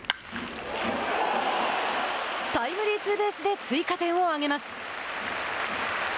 タイムリーツーベースで追加点を上げます。